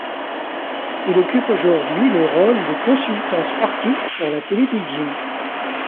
Il occupe aujourd'hui le rôle de consultant sportif pour la télévision.